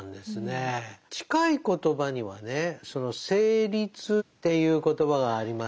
近い言葉にはね「成立」っていう言葉がありますね。